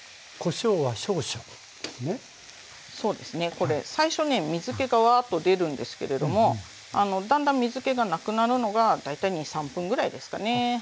これ最初ね水けがワーッと出るんですけれどもだんだん水けがなくなるのが大体２３分ぐらいですかね。